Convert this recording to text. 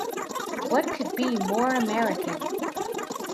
What could be more American!